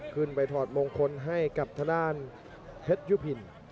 ขึ้นไปถอดมงคลให้กับทดารเพชยุพิน